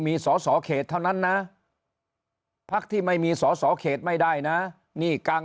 มีสอสอเขตเท่านั้นนะพักที่ไม่มีสอสอเขตไม่ได้นะนี่กลาง